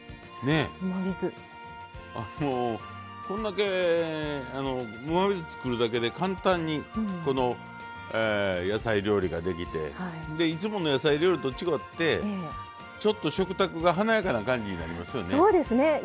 こんだけうまみ酢作るだけで簡単に野菜料理ができていつもの野菜料理と違ってちょっと食卓が華やかな感じになりますよね。